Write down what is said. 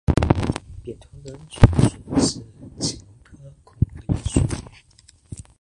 扁臀龙属是禽龙类恐龙的一属。